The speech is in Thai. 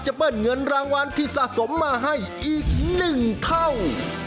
จะเปิดเงินรางวัลที่สะสมมาให้อีกหนึ่งเท่า